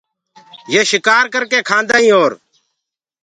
يي شڪآر ڪرڪي کآدآئينٚ اور